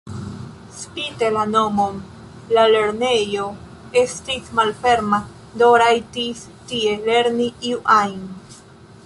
Spite la nomon la lernejo estis malferma, do rajtis tie lerni iu ajn.